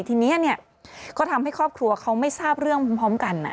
ทีนี้เนี่ยก็ทำให้ครอบครัวเขาไม่ทราบเรื่องพร้อมกัน